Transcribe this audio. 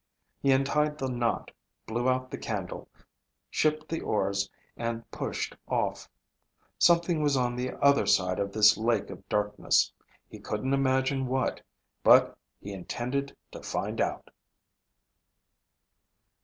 He untied the knot, blew out the candle, shipped the oars and pushed off. Something was on the other side of this Lake of Darkness. He couldn't imagine what, but he intended to find out!